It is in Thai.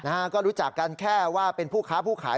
นะฮะก็รู้จักกันแค่ว่าเป็นผู้ค้าผู้ขาย